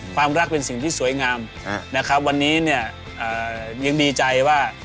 ความรักเป็นสิ่งที่สวยงามนะครับวันนี้เนี่ยยังดีใจว่า